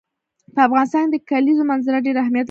په افغانستان کې د کلیزو منظره ډېر اهمیت لري.